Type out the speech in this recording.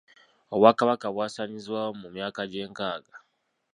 Obwakabaka bwasaanyizibwawo mu myaka gy'enkaaga.